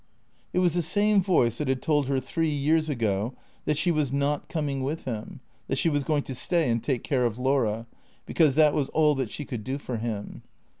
It was the same voice that had told her three years ago that she was not coming with him, that she was going to stay and take care of Laura, because that was all that she could do for him.